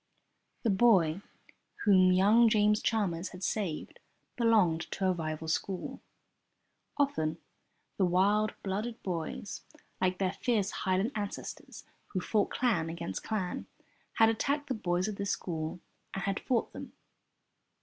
The boy whom young James Chalmers had saved belonged to a rival school. Often the wild blooded boys (like their fierce Highland ancestors who fought clan against clan) had attacked the boys of this school and had fought them.